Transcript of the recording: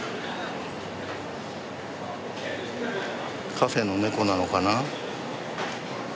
カフェのネコなのかな？